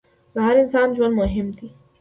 د هر انسان ژوند مهم دی.